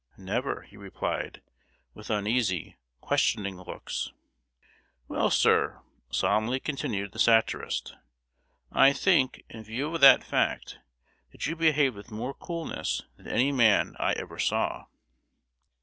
"Never," he replied, with uneasy, questioning looks. "Well, sir," solemnly continued the satirist, "I think, in view of that fact, that you behaved with more coolness than any man I ever saw!"